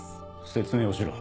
説明をしろ。